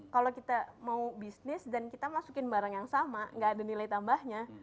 kalau kita mau bisnis dan kita masukin barang yang sama nggak ada nilai tambahnya